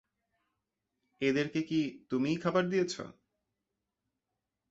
এদেরকে কি তুমিই খাবার দিয়েছ?